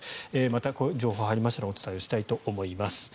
また、情報が入りましたらお伝えをしたいと思います。